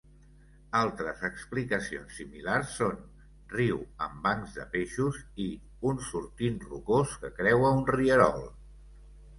Altres explicacions similars són "riu amb bancs de peixos" i "un sortint rocós que creua un rierol".